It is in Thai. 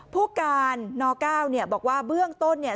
ผู้การน๙เนี่ยบอกว่าเบื้องต้นเนี่ย